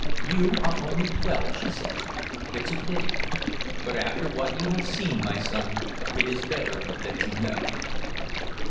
"You are only twelve," she said. "It's a pity. But after what you have seen, my son, it is better that you know."